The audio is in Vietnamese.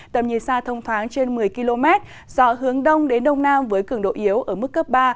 tầm nhìn xa thông thoáng trên một mươi km gió hướng đông đến đông nam với cường độ yếu ở mức cấp ba